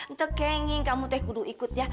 ntar kenging kamu teh kudu ikut ya